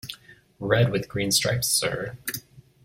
Red, with green stripes, sir.